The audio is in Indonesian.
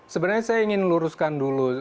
sebenarnya saya ingin luruskan dulu